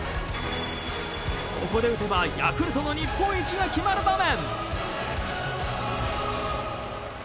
ここで打てばヤクルトの日本一が決まる場面。